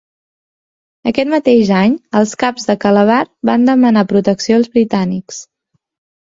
Aquest mateix any els caps de Calabar van demanar protecció als britànics.